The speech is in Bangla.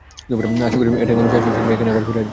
আশা করি এটা এখনো শেষ হয়ে যায়নি, এখানে আবার ফিরে আসব।